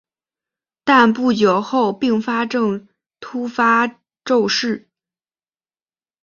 但不久后并发症突发骤逝。